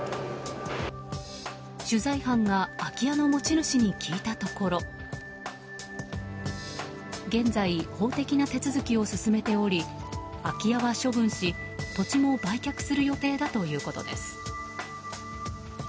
取材班が空き家の持ち主に聞いたところ現在、法的な手続きを進めており空き家は処分し土地も売却する予定だということです。